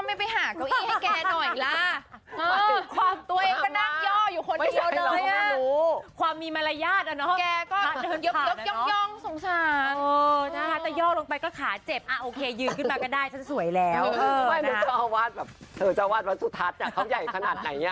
ไม่ไม่มีเจ้าอาวาสแบบเจ้าอาวาสวัสด์สุทัศน์ของใหญ่ขนาดไหนนี่